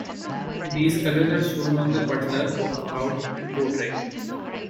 These colors are shown on the butler, walkabout, and portrait.